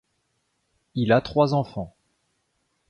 Il a trois enfants…